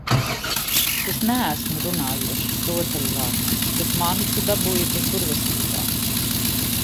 Es neesmu runājošs rotaļlācis, bet mani tu dabūji bez burvestībām.